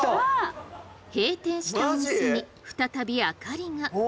閉店したお店に再び明かりが。